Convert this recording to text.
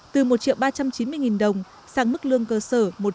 từ một ba trăm chín mươi đồng sang mức lương cơ sở một bốn trăm chín mươi đồng